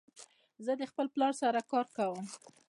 زه د خپل پلار سره کار کوم.